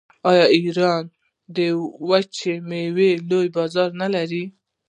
آیا ایران د وچو میوو لوی بازار نلري؟